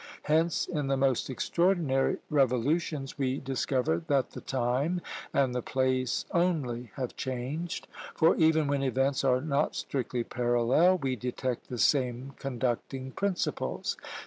Hence, in the most extraordinary revolutions we discover that the time and the place only have changed; for even when events are not strictly parallel, we detect the same conducting principles.